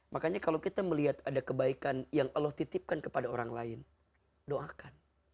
makanya kalau kita melihat ada kebaikan yang allah titipkan kepada orang lain doakan